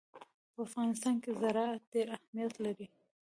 په افغانستان کې زراعت ډېر اهمیت لري.